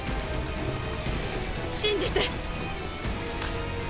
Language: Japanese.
信じて。